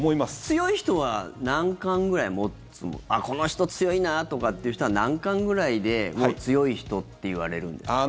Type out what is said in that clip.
強い人は何冠ぐらい持つこの人、強いなとかっていう人は何冠ぐらいで強い人っていわれるんですか？